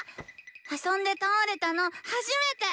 あそんでたおれたのはじめて！